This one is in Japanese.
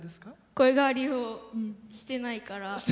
声変わりをしてないから。